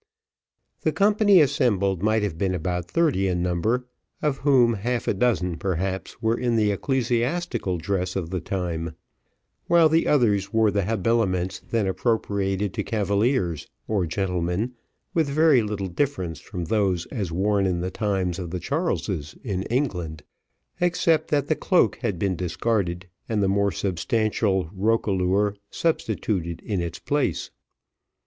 The company assembled might have been about thirty in number, of which half a dozen, perhaps, were in the ecclesiastical dress of the time; while the others wore the habiliments then appropriated to cavaliers or gentlemen, with very little difference from those as worn in the times of the Charleses in England, except that the cloak had been discarded, and the more substantial roquelaure substituted in its place.